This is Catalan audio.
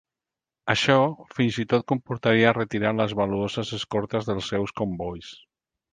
Això fins i tot comportaria retirar les valuoses escortes dels seus combois.